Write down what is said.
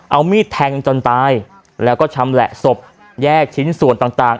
เอามีดแทงจนตายแล้วก็ชำแหละศพแยกชิ้นส่วนต่าง